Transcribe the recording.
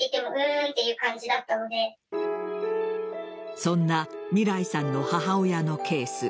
そんなみらいさんの母親のケース。